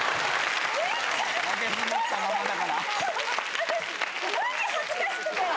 私、まじで恥ずかしくて。